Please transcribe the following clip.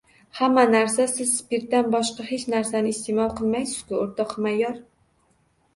— Hamma narsa! Siz spirtdan boshqa hech narsani iste’mol qilmaysiz-ku, o‘rtoq mayor!